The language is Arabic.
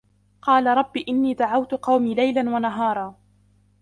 قال رب إني دعوت قومي ليلا ونهارا